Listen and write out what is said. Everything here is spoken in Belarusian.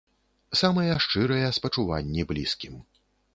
Самыя шчырыя спачуванні блізкім.